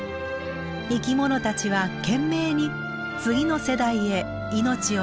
生きものたちは懸命に次の世代へ命をつないでいます。